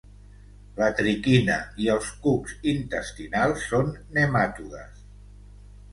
La triquina i els cucs intestinals són nematodes.